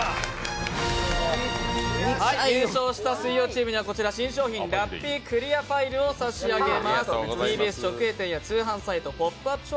優勝した水曜チームには新商品ラッピークリアファイルを差し上げます。